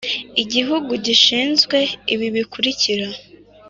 Igihugu gishinzwe ibi bikurikira